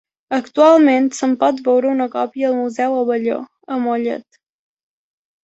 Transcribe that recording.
Actualment se'n pot veure una còpia al Museu Abelló a Mollet.